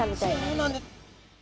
そうなんです。